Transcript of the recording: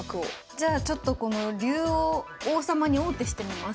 じゃあちょっとこの竜を王様に王手してみます。